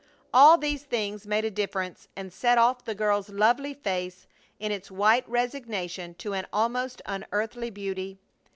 All these things made a difference and set off the girl's lovely face in its white resignation to an almost unearthly beauty.